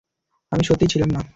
আমি সত্যিই ছিলাম না।